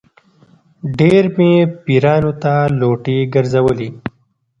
ډېر مې پیرانو ته لوټې ګرځولې.